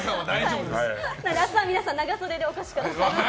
明日は皆さん長袖でお越しください。